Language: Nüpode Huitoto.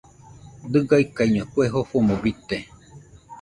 Diga ikaiño kue jofomo bite